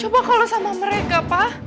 coba kalau sama mereka pak